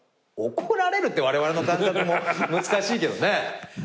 怒られるってわれわれの感覚も難しいけどね。